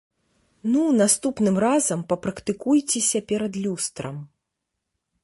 Ну, наступным разам папрактыкуйцеся перад люстрам.